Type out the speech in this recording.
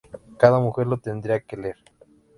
Cada mujer lo tendría que leer.